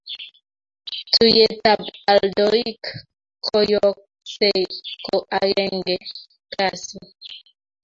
tuyietab aldoik ko yooksei ko agenge kasi